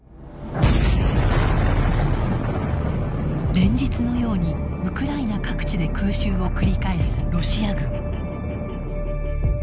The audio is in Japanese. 連日のようにウクライナ各地で空襲を繰り返すロシア軍。